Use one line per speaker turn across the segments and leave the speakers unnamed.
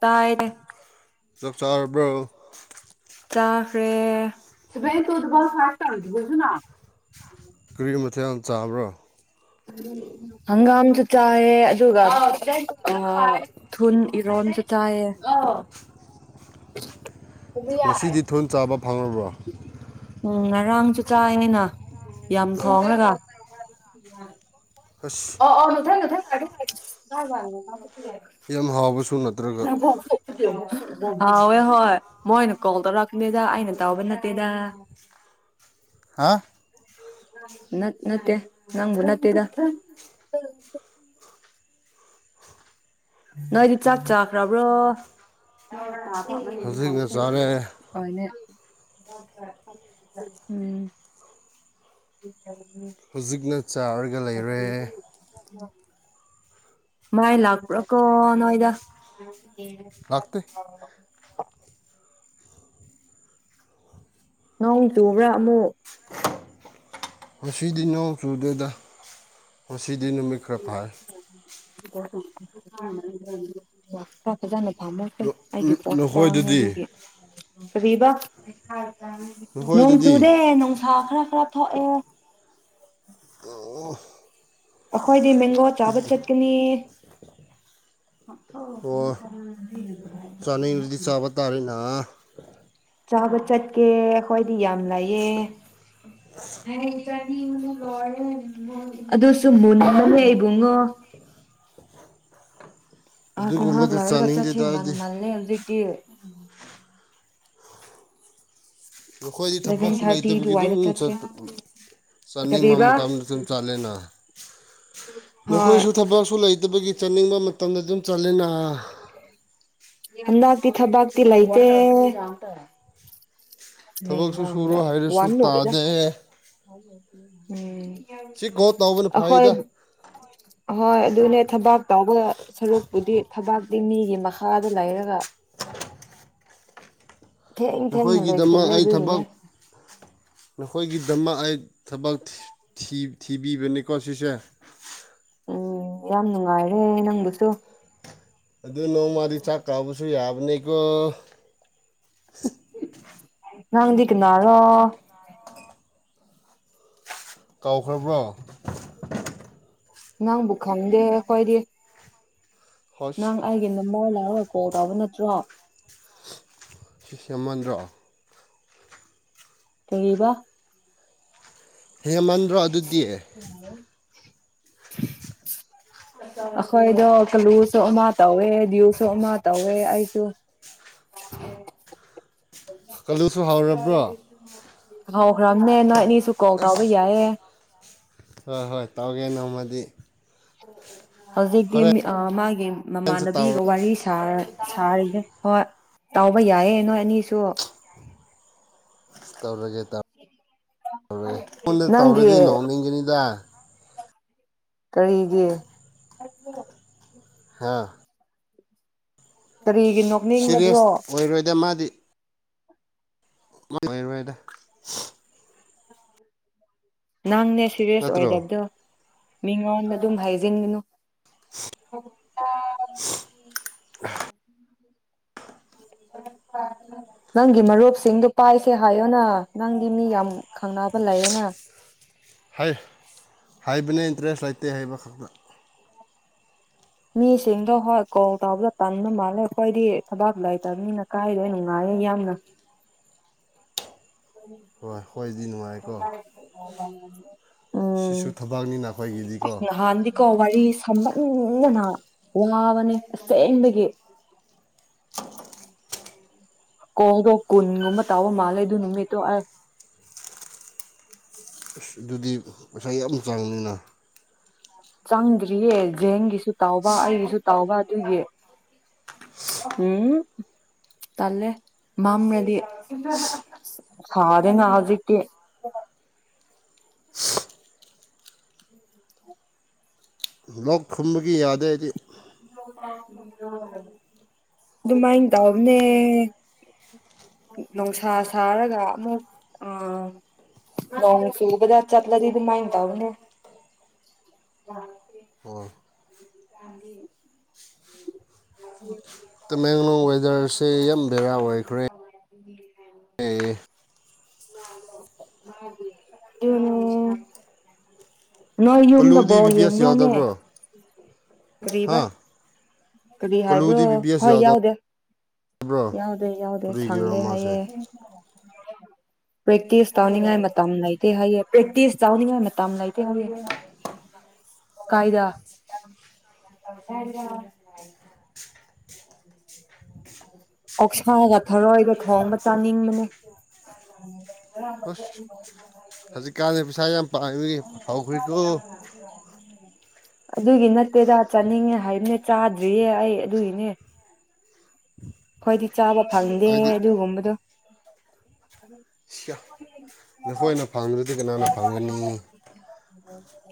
ꯇꯥꯏ
ꯆꯥꯛ ꯆꯥꯔꯕ꯭ꯔꯣ
ꯆꯥꯈ꯭ꯔꯦ [inaudible]
ꯀꯔꯤ ꯃꯊꯦꯜ ꯆꯥꯕ꯭ꯔꯣ
ꯍꯪꯒꯥꯝꯁꯨ ꯆꯥꯏꯑꯦ ꯑꯗꯨꯒ ꯑꯥ ꯊꯨꯟ ꯏꯔꯣꯟꯁꯨ ꯆꯥꯏꯌꯦ
ꯉꯁꯤꯗꯤ ꯊꯨꯟ ꯆꯥꯕ ꯐꯪꯔꯕ꯭ꯔꯣ
ꯎꯝ ꯉꯔꯥꯡꯁꯨ ꯆꯥꯏꯌꯦꯅ ꯌꯥꯝ ꯊꯣꯡꯂꯒ
ꯑꯁ
[inaudible]
ꯌꯥꯝ ꯍꯥꯎꯕꯁꯨ ꯅꯠꯇ꯭ꯔꯒ
ꯍꯋꯦ ꯍꯣꯏ ꯃꯣꯏꯅ ꯀꯣꯜ ꯇꯧꯔꯛꯀꯗꯣꯏꯗ ꯑꯩꯅ ꯇꯕ ꯅꯠꯇꯦꯗ
ꯍꯥ
ꯅꯠꯇꯦ ꯅꯪꯕꯨ ꯅꯠꯇꯦꯗ ꯅꯣꯏꯗꯤ ꯆꯥꯛ ꯆꯥꯛꯈ꯭ꯔꯕ꯭ꯔꯣ
ꯍꯧꯖꯤꯛꯅ ꯆꯥꯔꯦ
ꯑꯣꯏꯅꯦ ꯎꯝ ꯎ [inaudible]
ꯍꯧꯖꯤꯛꯅ ꯆꯥꯔꯒ ꯂꯩꯔꯦ
ꯃꯥꯏ ꯂꯥꯛꯄ꯭ꯔꯥꯀꯣ ꯅꯣꯏꯗ ꯣ
ꯂꯥꯛꯇꯦ
[unintelligible] ꯅꯣꯡ ꯆꯨꯕ꯭ꯔꯥ ꯑꯃꯨꯛ
ꯉꯁꯤꯗꯤ ꯅꯣꯡ ꯆꯨꯗꯗ ꯉꯁꯤꯗꯤ ꯅꯨꯃꯤꯠ ꯈꯔ ꯐꯥꯔ
[unintelligible] ꯈꯔ ꯐꯖꯅ ꯐꯥꯝꯃꯁꯦ ꯑꯩꯗꯤ ꯄꯣꯠ ꯇꯥꯡꯉꯦ
ꯅꯈꯣꯏꯗꯗꯤ
ꯑꯗꯨꯒꯤ ꯀꯔꯤꯕ ꯅꯣꯡ
ꯅꯈꯣꯏꯗꯗꯤ
ꯆꯨꯨꯔꯦ ꯅꯨꯡꯁꯥ ꯈꯔ ꯈꯔ ꯊꯣꯛꯑꯦ ꯑꯩꯈꯣꯏꯗꯤ ꯃꯦꯡꯒꯣ ꯆꯥꯕ ꯆꯠꯀꯅꯤ
ꯑꯣ
[unintelligible]
ꯇꯔꯔꯤꯅ
ꯆꯥꯕ ꯆꯠꯀꯦ ꯍꯣꯏꯗꯤ ꯌꯥꯝ ꯂꯩꯑꯦ ꯑꯗꯨꯁꯨ ꯃꯨꯟꯅ ꯂꯩ ꯏꯕꯨꯡꯉꯣ ꯑꯍꯥꯛ
ꯑꯗꯨꯒꯨꯝꯕꯗ
ꯂꯥꯏꯔꯒꯥ ꯆꯠꯁꯦ
ꯆꯥꯅꯤꯡꯗꯦꯗ ꯑꯩꯗꯤ
ꯉꯥꯟꯃꯜꯂꯦ ꯍꯧꯖꯤꯛꯇ
ꯑꯩꯈꯣꯏꯗꯤ
ꯏꯂꯚꯦꯟ
ꯊꯕꯛꯁꯨ
ꯊꯥꯔꯇꯤ
ꯂꯩꯇꯕꯒꯤ ꯑꯗꯨꯝ
ꯑꯗꯨꯋꯥꯏꯗ ꯆꯠꯁꯦ
ꯆꯄ ꯆꯠꯅꯤꯡꯕ
ꯀꯔꯤꯕ
ꯃꯇꯝꯗ ꯑꯗꯨꯝ ꯆꯠꯂꯦꯅ
ꯍꯣꯏ
ꯅꯈꯣꯏꯁꯨ ꯊꯕꯛꯁꯨ ꯂꯩꯇꯦ ꯠꯇꯕꯒꯤ ꯆꯠꯅꯤꯡꯕ ꯃꯇꯝꯗ ꯑꯗꯨꯝ ꯆꯠꯂꯦꯅ
[inaudible] ꯍꯟꯥꯛꯇ ꯊꯕꯥꯛꯇ ꯂꯥꯏꯇꯦ ꯂꯩ
ꯊꯕꯛꯁꯨ ꯁꯨꯔꯣ ꯍꯥꯏꯔꯁꯨ
ꯋꯥꯟꯅꯔꯗ
ꯇꯥꯗꯦ
ꯎꯝ ꯑꯩꯈꯣꯏ
ꯍꯣꯏ
ꯑꯍꯣꯏ ꯑꯗꯨꯅꯦ ꯊꯕꯥꯛ ꯇꯥꯎꯕ ꯁꯔꯨꯛꯄꯨꯗꯤ ꯊꯕꯥꯛꯇꯤ ꯃꯤꯒꯤ ꯃꯈꯥꯗ ꯂꯩꯔꯒ ꯊꯦꯡ ꯊꯦꯡꯅ
ꯅꯈꯣꯏꯒꯤꯗꯃꯛ
ꯂꯣꯏꯁꯤꯜꯂꯦ
ꯑꯩ ꯊꯕꯛ
ꯑꯗꯨꯒꯤꯅꯦ
ꯅꯈꯣꯏꯒꯤꯗꯃꯛ ꯑꯩ ꯊꯕꯛ ꯊꯤꯕꯤꯕꯅꯤꯀꯣ ꯁꯤꯁꯦ
ꯎꯝ ꯌꯥꯝ ꯅꯨꯡꯉꯥꯏꯔꯦ ꯅꯪꯗꯨꯁꯨ
ꯑꯗꯨ ꯅꯣꯡꯃꯗꯤ ꯆꯥꯛ ꯀꯥꯕꯁꯨ ꯌꯥꯕꯅꯤꯀꯣ
ꯅꯡꯗꯤ ꯀꯅꯔꯣ
ꯀꯥꯎꯈ꯭ꯔꯕ꯭ꯔꯣ
ꯅꯪꯕꯨ ꯈꯪꯗꯦ ꯑꯩꯈꯣꯏꯗꯤ
ꯍꯣꯁ
ꯅꯪ ꯑꯩꯒꯤ ꯅꯝꯕꯔ ꯂꯥꯛꯔꯣꯏ ꯀꯣꯜ ꯇꯧꯕ ꯅꯠꯇ꯭ꯔꯣ
ꯁꯁꯃꯟꯗ꯭ꯔꯣ
ꯀꯥꯔꯤꯕ
ꯍꯦꯃꯟꯗ꯭ꯔꯣ ꯑꯗꯨꯗꯤ
ꯑꯣ [unintelligible] ꯑꯩꯈꯣꯏꯗꯣ ꯀꯂꯨꯁꯨ ꯑꯃ ꯇꯧꯋꯦ ꯭ꯌꯨꯁꯨ ꯑꯃ ꯇꯧꯋꯦ ꯑꯩꯁꯨ
ꯀꯂꯨꯁꯨ ꯍꯧꯔꯕ꯭ꯔꯣ
ꯍꯧꯈ꯭ꯔꯕꯅꯦ ꯅꯣꯏ ꯑꯅꯤꯁꯨ ꯀꯣꯜ ꯇꯥꯕ ꯌꯥꯏꯌꯦ
ꯍꯣꯏ ꯍꯣꯏ ꯇꯧꯒꯦ ꯅꯣꯡꯃꯗꯤ
ꯍꯧꯖꯤꯛꯇꯤ ꯃꯥꯒꯤ
ꯍꯣꯔꯦꯟꯁꯨ
ꯃꯃꯥꯟꯅꯕꯤꯒ
ꯇꯧꯔ
ꯋꯥꯔꯤ ꯁꯥꯔ ꯁꯥꯔꯤꯁꯦ ꯍꯣꯏ ꯇꯥꯎꯕ ꯌꯥꯏꯌꯦ ꯅꯣꯏ ꯑꯅꯤꯁꯨ
ꯇꯧꯔꯒꯦ ꯇ ꯑꯩꯉꯣꯟꯗ
ꯅꯪꯒꯤ
ꯇꯧꯔꯗꯤ ꯅꯣꯛꯅꯤꯡꯒꯅꯤꯗ
ꯀꯔꯤꯒꯤ
ꯍꯥꯥ
ꯀꯔꯤꯒꯤ ꯅꯣꯛꯅꯤꯡꯕꯗꯣ
ꯁꯤꯔꯤꯌꯁ ꯑꯣꯏꯔꯣꯏꯗ ꯃꯥꯗꯤ ꯔꯥꯏꯗ
ꯅꯪꯅꯦ ꯁꯤꯔꯤꯌꯁ
ꯅꯠꯇ꯭ꯔꯣ
ꯑꯣꯏꯗꯕꯗꯣ ꯃꯤꯉꯣꯟꯗ ꯑꯗꯨꯝ ꯍꯥꯏꯖꯤꯟꯒꯅꯨ ꯍ [unintelligible]
ꯎ [unintelligible]
[inaudible] ꯅꯪꯒꯤ ꯃꯔꯨꯞꯁꯤꯡꯗꯨꯣ ꯄꯥꯏꯁꯦ ꯍꯥꯏꯌꯣꯅ ꯅꯪꯗꯤ ꯃꯤ ꯌꯥꯝ ꯈꯪꯅꯕ ꯂꯩꯌꯦꯅ
ꯍꯥꯏ ꯍꯥꯏꯕꯅꯦ ꯏꯟꯇꯔꯦꯁ ꯂꯩꯇꯦ ꯍꯥꯏꯕ ꯈꯛꯇ
ꯃꯤꯁꯤꯡꯗꯣ ꯍꯣꯏ ꯀꯣꯜ ꯇꯧꯕꯗ ꯇꯟꯕ ꯃꯥꯜꯂꯦ ꯑꯩꯈꯣꯏꯗꯤ ꯊꯕꯥꯛ ꯂꯩꯇꯕꯅꯤꯅ ꯀꯥꯏꯗꯣꯏ ꯅꯨꯡꯉꯥꯏꯌꯦ ꯌꯥꯝꯅ
ꯍꯣꯏ ꯍꯣꯏꯗꯤ ꯅꯨꯡꯉꯥꯏꯀꯣ
ꯎꯝ ꯎꯝ
ꯁꯤꯁꯨ ꯊꯕꯛꯅꯤꯅ ꯑꯩꯈꯣꯏꯒꯤꯗꯤꯀꯣ
ꯅꯍꯥꯟꯗꯤ ꯀꯣ ꯋꯥꯔꯤ ꯁꯝꯍꯟꯗꯅ ꯋꯥꯕꯅꯦ ꯑꯁꯦꯡꯕꯒꯤ ꯎ ꯎꯝ ꯀꯣꯗꯣ ꯀꯨꯟꯒꯃ ꯇꯥꯕ ꯃꯥꯂ ꯑꯗꯨ ꯅꯅꯨꯡꯃꯤꯃꯦꯠꯇꯣ ꯎꯝ
ꯑꯁ ꯑꯗꯨꯗꯤ ꯄꯩꯁꯥ ꯌꯥꯝ ꯆꯥꯡꯅꯤꯅ
ꯆꯪꯗ꯭ꯔꯤꯌꯦ ꯖꯦꯟꯒꯤꯁꯨ ꯇꯥꯎꯕ ꯑꯩꯒꯤꯁꯨ ꯇꯥꯎꯕ ꯑꯗꯨꯒꯤ ꯎꯝ ꯇꯜꯂꯦ ꯃꯥꯝꯗꯤ ꯁꯥꯔꯅ ꯍꯧꯖꯤꯛꯇ ꯎ [unintelligible]
ꯂꯣꯛ ꯊꯨꯝꯕꯒꯤ ꯌꯥꯗꯦ ꯍꯥꯏꯗꯤ
ꯑꯗꯨꯃꯥꯏꯅ ꯇꯧꯅꯦ ꯅꯨꯡꯁꯥ ꯁꯥꯔꯒ ꯑꯃꯨꯛ ꯑ ꯅꯣꯡ ꯆꯨꯕꯥꯗ ꯆꯠꯂꯗꯤ ꯗꯨꯃꯥꯥꯏ ꯇꯕꯅꯦ
ꯑꯣ
[inaudible]
ꯇꯃꯦꯡꯂꯣꯡ ꯋꯦꯗꯔꯁꯦ ꯌꯥꯝ ꯕꯦꯔꯥ ꯑꯣꯏꯈ꯭ꯔꯦ
[inaudible]
ꯑꯦ
ꯑꯗꯨꯅꯤ ꯅꯣꯏ ꯌꯨꯝꯗ
ꯀꯜꯂꯨꯗꯤ
ꯕꯣꯜ
ꯕꯤ ꯕꯤ ꯑꯦꯁ
ꯌꯦꯡꯕ꯭ꯔꯥꯅꯦ
ꯌꯥꯎꯗꯕ꯭ꯔꯣ
ꯀꯔꯤꯕ
ꯍꯥ
ꯀꯔꯤ ꯍꯥꯏꯕ꯭ꯔꯣ
ꯀꯜꯂꯨꯗꯤ ꯕꯤ ꯕꯤ ꯑꯦꯁ
ꯍꯣꯏ
ꯌꯥꯎꯗꯕ꯭ꯔꯣ
ꯌꯥꯎꯗꯦ ꯌꯥꯎꯗꯦ ꯌꯥꯎꯗꯦ
ꯀꯔꯤꯒꯤꯔꯣ
ꯁꯪꯗꯦ
ꯃꯥꯁꯦ
ꯍꯥꯏꯌꯦ
[inaudible]
ꯄ꯭ꯔꯦꯛꯇꯤꯁ ꯇꯧꯅꯤꯡꯉꯥꯏ ꯃꯇꯝ ꯂꯩꯇꯦ ꯍꯥꯏꯑꯦ ꯄ꯭ꯔꯦꯛꯇꯤꯁ ꯇꯧꯅꯤꯡꯉꯥꯏ ꯃꯇꯝ ꯂꯩꯇꯦ ꯍꯥꯏꯑꯦ
[inaudible]
ꯀꯥꯏꯗ [inaudible] [inaudible] ꯑꯣꯛꯁꯥꯒ ꯊꯔꯣꯏꯗ ꯊꯣꯡꯕ ꯆꯥꯅꯤꯡꯕꯅꯦ
ꯍꯧꯖꯤꯛꯀꯥꯟꯁ ꯄꯩꯁꯥ ꯌꯥꯝ ꯄꯥꯌꯥꯏꯕꯥꯒꯤ ꯐꯥꯎꯈ꯭ꯔꯤꯀꯣ
[inaudible] ꯑꯗꯨꯒꯤ ꯅꯠꯇꯦꯗ ꯆꯥꯅꯤꯡꯉꯦ ꯍꯥꯏꯕꯅꯦ ꯆꯥꯗ꯭ꯔꯤꯌꯦ ꯑꯩ ꯑꯗꯨꯒꯤꯅꯦ ꯈꯣꯏꯗꯤ ꯆꯥꯕ ꯐꯪꯗꯦ
ꯍꯥꯏꯗꯤ
ꯑꯗꯨꯒꯨꯝꯕꯗꯣ
ꯁꯤꯌ ꯅꯈꯣꯏꯅ ꯐꯪꯗ꯭ꯔꯗꯤ ꯀꯅꯥꯅ ꯐꯪꯒꯅꯤ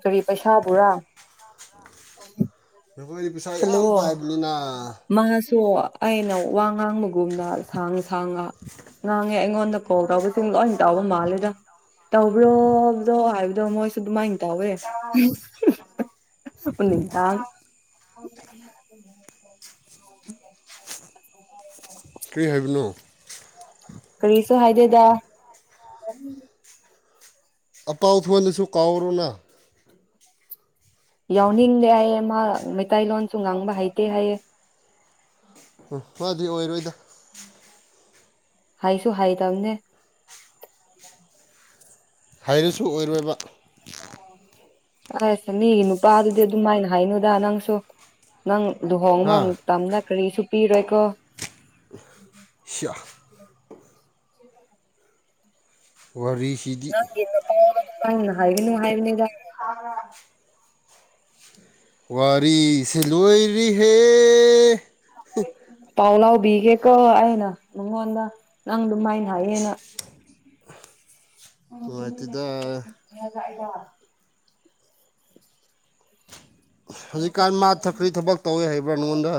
ꯀꯔꯤ ꯄꯩꯁꯥ ꯕꯨꯔꯥ
ꯅꯈꯣꯏꯗꯤ ꯄꯩꯁꯥ ꯌꯥꯝ
ꯍꯜꯂꯣ
ꯄꯥꯏꯕꯅꯤꯅ
ꯃꯥꯁꯨ ꯑꯩꯅ ꯋꯥ ꯉꯥꯡꯕꯒꯨꯝꯅ ꯁꯥꯡ ꯁꯥꯡꯉ ꯉꯥꯡꯉꯦ ꯑꯩꯉꯣꯟꯗ ꯀꯣꯜ ꯇꯧꯕꯁꯤꯡ ꯂꯣꯏ ꯇꯥꯎꯕ ꯃꯥꯜꯂꯦꯗ ꯇꯧꯕ꯭ꯔꯣꯕꯗꯣ ꯍꯥꯏꯕꯗꯣ ꯃꯣꯏꯁꯨ ꯑꯗꯨꯃꯥꯏꯅ ꯇꯧꯋꯦ [unintelligible] [inaudible]
ꯀꯔꯤ ꯍꯥꯏꯕꯅꯣ
ꯀꯔꯤꯁꯨ ꯍꯥꯏꯗꯦꯗ [inaudible]
ꯑꯄꯥꯎꯊꯣꯟꯗꯁꯨ ꯀꯥꯎꯔꯨꯅ
ꯌꯥꯎꯅꯤꯡꯗꯦ ꯍꯥꯏꯌꯦ ꯃꯥ ꯃꯩꯇꯩꯂꯣꯟꯁꯨ ꯉꯥꯡꯕ ꯍꯩꯇꯦ ꯍꯥꯏꯌꯦ
ꯎꯝ ꯃꯥꯗꯤ ꯑꯣꯏꯔꯣꯏꯗ
[inaudible] ꯍꯥꯏꯁꯨ ꯍꯥꯏ ꯇꯕꯅꯦ
ꯍꯩꯔꯁꯨ ꯑꯣꯏꯔꯣꯏꯕ
[inaudible] ꯑꯁ ꯃꯤꯒꯤ ꯅꯨꯄꯥꯗꯨꯗꯤ ꯑꯗꯨꯝꯃꯥꯏꯅ ꯍꯥꯏꯅꯨꯗ ꯅꯪꯁꯨ ꯅꯪ ꯂꯨꯍꯣꯡꯕ
ꯍꯥ
ꯑꯃꯨꯛꯇꯝꯅ ꯀꯔꯤꯁꯨ ꯄꯤꯔꯣꯏꯀꯣ
ꯁꯤꯌꯥ
[inaudible]
ꯋꯥꯔꯤ
ꯅꯪꯒꯤ ꯅꯨꯄꯥꯗ ꯑꯗꯨꯃꯥꯏꯅ ꯍꯥꯏꯒꯅꯨ ꯍꯥꯏꯕꯅꯤꯗ
ꯋꯥꯔꯤꯁꯤ ꯂꯣꯏꯔꯤꯍꯦ
ꯄꯥꯎ ꯂꯥꯎꯕꯤꯒꯦꯀꯣ ꯑꯩꯅ ꯅꯉꯣꯟꯗ ꯅꯪ ꯑꯗꯨꯃꯥꯏꯅ ꯍꯥꯏꯛꯑꯦꯅ
ꯅꯨꯡꯉꯥꯏꯇꯦꯗ
[unintelligible]
ꯍꯧꯖꯤꯛꯀꯥꯟ ꯃꯥ ꯊꯛꯈꯔꯤ ꯊꯕꯛ ꯇꯧꯋꯤ ꯍꯥꯏꯕ꯭ꯔꯥ ꯅꯉꯣꯟꯗ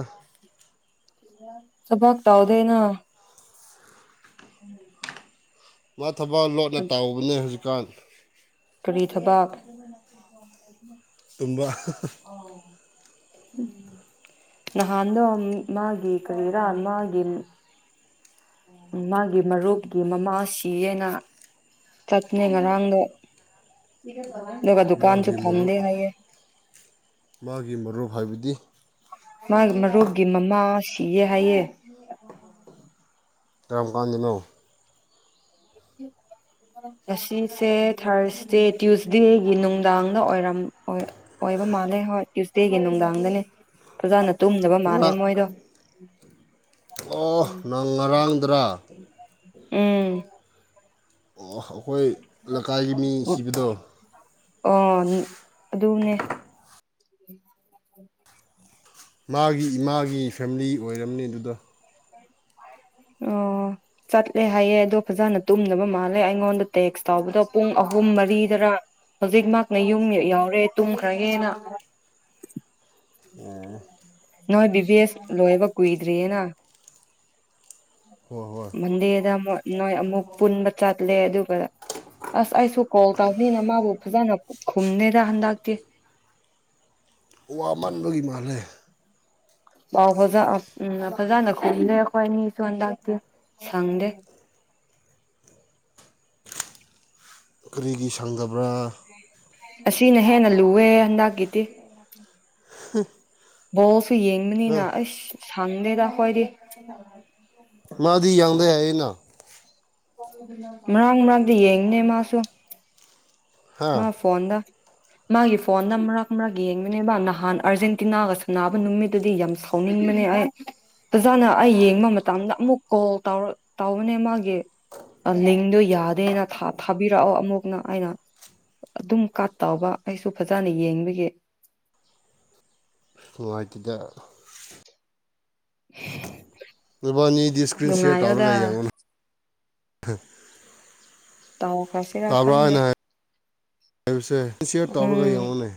ꯊꯕꯛ ꯇꯧꯗꯦꯅ ꯎꯝ
ꯃꯥ ꯊꯕꯛ ꯂꯣꯠꯅ ꯇꯥꯎꯕꯅꯦ ꯍꯧꯖꯤꯛꯀꯥꯟ
ꯀꯔꯤ ꯊꯕꯛ
ꯇꯨꯝꯕꯥ
ꯑꯣ ꯎꯝ ꯅꯍꯥꯟꯗꯣ ꯃꯥꯒꯤ ꯀꯔꯤꯔꯥ ꯃꯥꯒꯤ ꯃꯥꯒꯤ ꯃꯔꯨꯞꯀꯤ ꯃꯃꯥꯁꯤ ꯍꯥꯏꯅ ꯆꯠꯅꯦ ꯉꯔꯥꯡꯗꯣ ꯑꯗꯨꯒ ꯗꯨꯀꯥꯟꯁꯨ
ꯃꯥꯒꯤ
ꯐꯪꯗꯦ
ꯃꯔꯨꯞ
ꯍꯥꯏꯌꯦꯦ
ꯃꯥꯒꯤ ꯃꯔꯨꯞ ꯍꯥꯏꯕꯗꯤ
ꯃꯥ ꯃꯔꯨꯞꯀꯤ ꯃꯃꯥ ꯁꯤꯌꯦ ꯍꯥꯏꯌꯦ
ꯀꯔꯝ ꯀꯟꯗꯥꯅꯣ
ꯎꯝ ꯉꯁꯤꯁꯦ ꯊꯥꯔꯁꯗꯦ ꯇ꯭ꯌꯨꯁꯗꯦꯒꯤ ꯅꯨꯡꯗꯥꯡꯗ ꯑꯣꯏꯔꯝ ꯑꯣꯏꯕ ꯃꯥꯜꯂꯦ ꯍꯣꯏ ꯇ꯭ꯌꯨꯁꯗꯦꯒꯤ ꯅꯨꯡꯗꯥꯡꯗꯅꯦ ꯐꯖꯥꯅ ꯇꯨꯝꯗꯕ ꯃꯥꯜꯂꯦ
ꯉꯔꯥꯡ
ꯃꯣꯏꯗꯣ
ꯑꯣ ꯅꯪ ꯉꯔꯥꯡꯗꯔꯥ
ꯎꯝ
ꯑꯩꯈꯣꯏ ꯂꯩꯀꯥꯏꯒꯤ ꯃꯤ ꯁꯤꯕꯗꯣ
ꯑꯣ ꯑꯗꯨꯅꯦ
ꯃꯥꯒꯤ ꯏꯃꯥꯒꯤ ꯐꯦꯝꯂꯤ ꯑꯣꯏꯔꯝꯅꯤ ꯑꯗꯨꯗ
ꯑꯣ ꯆꯠꯂꯦ ꯍꯥꯏꯌꯦꯦ ꯑꯗꯣ ꯐꯖꯅ ꯇꯨꯝꯅꯕ ꯃꯥꯜꯂꯦ ꯑꯩꯉꯣꯟꯗ ꯇꯦꯛꯁ ꯇꯧꯕꯗꯣ ꯄꯨꯡ ꯑꯍꯨꯝ ꯃꯔꯤꯗꯔꯥ ꯍꯧꯖꯤꯛ ꯃꯥꯅ ꯌꯨꯝ ꯌꯥꯎꯔꯦ ꯇꯨꯝꯈ꯭ꯔꯒꯦꯟꯅ
ꯎꯝ
ꯅꯣꯏ ꯕꯤꯚꯦꯁ ꯂꯣꯏꯕ ꯀꯨꯏꯗ꯭ꯔꯤꯌꯦꯅ
ꯍꯣꯏ ꯍꯣꯏ
ꯃꯟꯗꯦꯗ ꯑꯃꯨꯛ ꯅꯣꯏ ꯑꯃꯨꯛ ꯄꯨꯟꯕ ꯆꯠꯂꯦ ꯑꯗꯨꯒ ꯑꯁ ꯑꯩꯁꯨ ꯀꯣꯜ ꯇꯧꯅꯤꯅ ꯃꯥꯕꯨ ꯐꯖꯅ ꯈꯨꯝꯅꯦꯗ ꯍꯟꯗꯛꯇꯤ
ꯋꯥ ꯃꯟꯕꯒꯤ ꯃꯥꯜꯂꯦ
ꯄꯥꯎ ꯐꯖ ꯎꯝ ꯐꯖꯅ ꯈꯨꯝꯗꯦ ꯑꯩꯈꯣꯏ ꯑꯅꯤꯁꯨ ꯍꯟꯗꯇꯤ ꯁꯪꯗꯦ
ꯀꯔꯤꯒꯤ ꯁꯪꯗꯕ꯭ꯔꯥ
ꯑꯁꯤꯅ ꯍꯦꯟꯅ ꯂꯨꯋꯦꯍꯦ ꯍꯟꯗꯛꯀꯤꯗꯤ
ꯍ [unintelligible]
ꯕꯣꯜꯁꯨ ꯌꯦꯡꯕꯅꯤꯅ ꯑꯩꯁ ꯁꯪꯗꯦꯗ ꯈ꯭ꯋꯥꯏꯗꯤ
ꯃꯥꯗꯤ ꯌꯥꯪꯗ ꯍꯥꯏꯌꯦꯅ
ꯃꯔꯥꯡ ꯃꯔꯥꯡꯗ ꯌꯦꯡꯅꯦ ꯃꯥꯁꯨ
ꯍꯥ
ꯃꯥ ꯐꯣꯟꯗ ꯃꯥꯒꯤ ꯐꯣꯟꯅ ꯃꯔꯛ ꯃꯔꯛ ꯌꯦꯡꯕꯅꯦꯕ ꯅꯍꯥꯟ ꯑꯥꯔꯖꯦꯟꯇꯤꯅꯥꯒ ꯁꯝꯕ ꯅꯨꯃꯤꯠꯇꯨꯗꯤ ꯌꯥꯝ ꯁꯥꯎ ꯐꯣꯡꯉꯟ ꯃꯅꯤ ꯑ ꯐꯖꯥꯅ ꯑꯩ ꯌꯦꯡꯕ ꯃꯇꯝꯗ ꯑꯃꯨꯛ ꯀꯣꯜ ꯇꯧ ꯇꯧꯕꯅꯦ ꯃꯥꯒꯤ ꯂꯤꯡꯗꯣ ꯌꯥꯗꯦꯅ ꯊꯥꯕꯤꯔꯛꯑꯣ ꯑꯃꯨꯛꯅ ꯑꯩꯅ ꯑꯗꯨꯝ ꯀꯠꯇꯕ ꯑꯩꯁꯨ ꯐꯖꯅ ꯌꯦꯡꯕꯒꯤ
ꯂꯇꯗ ꯔꯕꯥꯅꯤꯗꯤ ꯏꯁꯀ꯭ꯔꯤꯟ ꯁꯤꯌꯌꯥꯔ
ꯅꯨꯡꯉꯥꯏꯌꯣꯗ
ꯇꯧꯔꯒ ꯌꯦꯡꯉꯣ [inaudible]
ꯇꯧꯈ꯭ꯔꯁꯤꯔꯥ
ꯇꯥꯕ꯭ꯔꯥ
ꯈꯪꯗꯦ
ꯍꯥꯏꯅ ꯍꯥꯏꯕꯁꯦ ꯑꯦꯁꯤꯠ ꯇꯧꯔꯒ
ꯎꯝ
ꯌꯦꯡꯉꯨꯅꯦ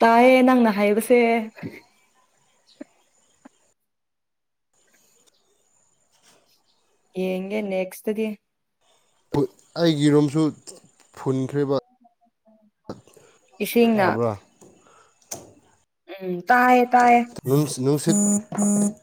ꯇꯥꯏꯌꯦ ꯅꯪꯅ ꯍꯥꯏꯌꯦꯕꯁꯦ ꯌꯦꯒꯦ ꯅꯦꯛꯁꯠꯒꯤ
ꯄꯨꯠ ꯑꯩꯒꯤ ꯔꯨꯝꯁꯨ ꯐꯨꯟꯈ꯭ꯔꯦꯕ꯫
ꯏꯁꯤꯡꯅ꯫
ꯇꯥꯕ꯭ꯔꯥ
ꯎꯝ ꯇꯥꯌꯦ ꯇꯥꯌꯦ꯫
ꯅꯨꯡꯁꯤꯠ [inaudible] [inaudible]